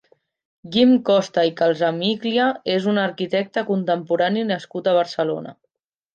Guim Costa i Calsamiglia és un arquitecte contemporani nascut a Barcelona.